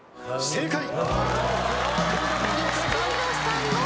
正解。